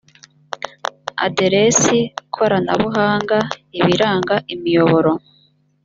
aderesi koranabuhanga ibiranga imiyoboro